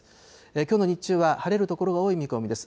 きょうの日中は晴れる所が多い見込みです。